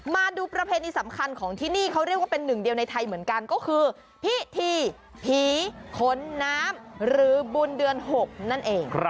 มาดูประเพณีสำคัญของที่นี่เขาเรียกว่าเป็นหนึ่งเดียวในไทยเหมือนกันก็คือพิธีผีขนน้ำหรือบุญเดือน๖นั่นเอง